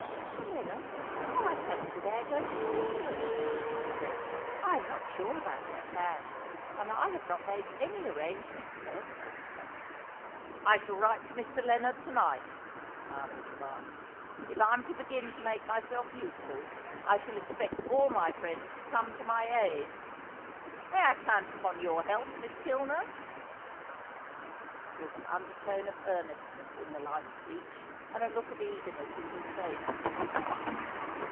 "The Lennards? Oh, I fancy they are going to Switzerland," she said. "I am not sure about their plans, and I have not made any arrangements yet." "I shall write to Mr. Lennard to night," Arnold remarked. "If I'm to begin to make myself useful I shall expect all my friends to come to my aid. May I count upon your help, Miss Kilner?" There was an undertone of earnestness in the light speech and a look of eagerness in his face.